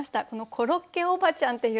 「コロッケおばちゃん」っていう